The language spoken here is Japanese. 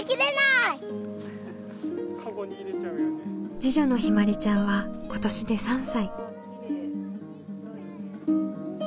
次女のひまりちゃんは今年で３歳。